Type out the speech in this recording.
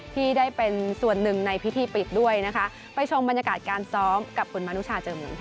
ที่ได้เป็นส่วนหนึ่งในพิธีปิดด้วยนะคะไปชมบรรยากาศการซ้อมกับคุณมนุชาเจอมูลค่ะ